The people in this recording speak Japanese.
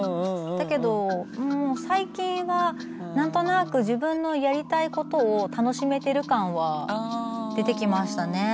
だけどもう最近は何となく自分のやりたいことを楽しめてる感は出てきましたね。